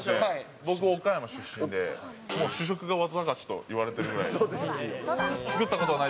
僕、岡山出身で、もう主食が綿菓子といわれてるぐらい。